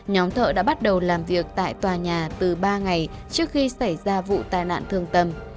nhóm thợ đã bắt đầu làm việc tại tòa nhà từ ba ngày trước khi xảy ra vụ tai nạn thương tâm